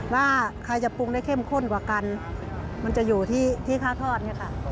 ว่าใครจะปรุงได้เข้มข้นกว่ากันมันจะอยู่ที่ข้าวทอดเนี่ยค่ะ